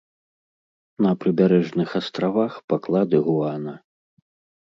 На прыбярэжных астравах паклады гуана.